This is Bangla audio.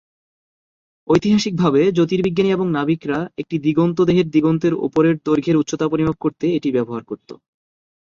ঐতিহাসিকভাবে, জ্যোতির্বিজ্ঞানী এবং নাবিকরা একটি দিগন্ত দেহের দিগন্তের ওপরের দৈর্ঘ্যের উচ্চতা পরিমাপ করতে এটি ব্যবহার করতো।